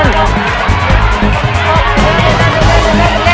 คุณฝนจากชายบรรยาย